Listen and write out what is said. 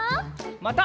また。